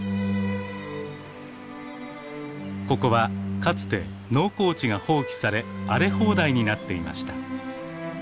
ここはかつて農耕地が放棄され荒れ放題になっていました。